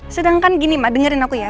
sedangkan gini mbak dengerin aku ya